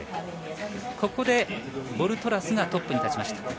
ここでボルトラスがトップに立ちました。